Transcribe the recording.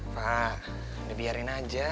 pak dibiarin aja